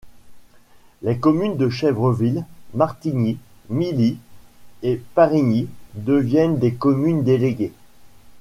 Les communes de Chèvreville, Martigny, Milly et Parigny deviennent des communes déléguées.